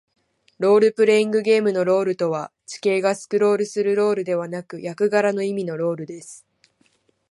ロールプレイングゲームのロールとは、地形がスクロールするロールではなく、役柄の意味のロールです。